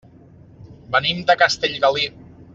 Venim de Castellgalí.